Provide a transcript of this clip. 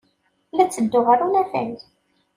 La ttedduɣ ɣer unafag.